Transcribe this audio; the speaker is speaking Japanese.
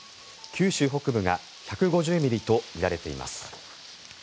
九州北部が１５０ミリとみられています。